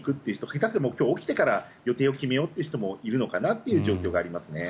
下手すると今日起きてから予定を決めようという人もいるのかなという状況がありますね。